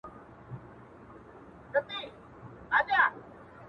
ناځواني!